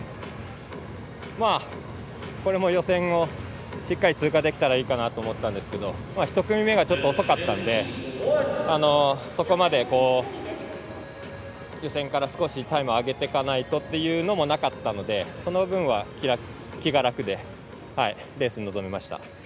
これも予選をしっかり通過できたらいいなと思ったんですけど１組目がちょっと遅かったのでそこまで予選から少しタイムを上げていかないとというのもなかったので、その分は気が楽でレースに臨めました。